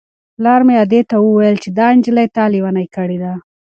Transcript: پلار مې ادې ته وویل چې دا نجلۍ تا لېونۍ کړې ده.